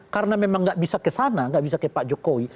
karena memang gak bisa kesana gak bisa ke pak jokowi